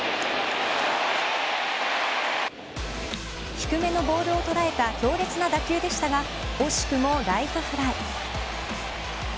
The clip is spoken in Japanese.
低めのボールを捉えた強烈な打球でしたが惜しくもライトフライ。